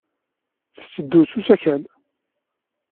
Tetteddu s usakal.